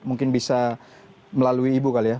mungkin bisa melalui ibu kali ya